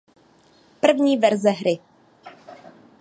První verze hry.